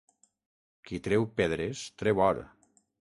Qui treu pedres, treu or.